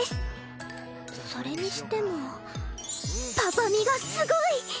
それにしてもパパみがすごい！